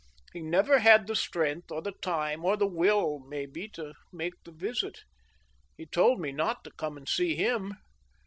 He never had the strength, or the time, or the will, may be, to make the visit. He told me not to come and see him.